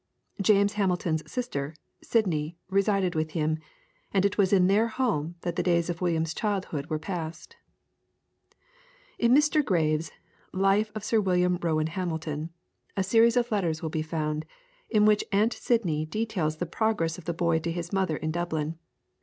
James Hamilton's sister, Sydney, resided with him, and it was in their home that the days of William's childhood were passed. In Mr. Graves' "Life of Sir William Rowan Hamilton" a series of letters will be found, in which Aunt Sydney details the progress of the boy to his mother in Dublin.